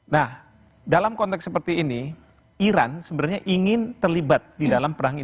nah dalam konteks seperti ini iran sebenarnya ingin terlibat di dalam perang ini